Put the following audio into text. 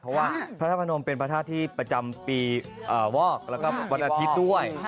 เพราะว่าพระธาตุพนมเป็นพระธาตุที่ประจำปีวอกแล้วก็วันอาทิตย์ด้วย